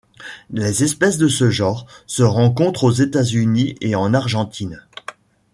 Les espèces de ce genre se rencontrent aux États-Unis et en Argentine.